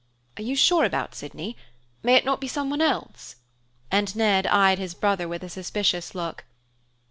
"Are you sure about Sydney? May it not be some one else?" and Ned eyed his brother with a suspicious look.